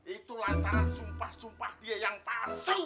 itu lantaran sumpah sumpah dia yang tak seru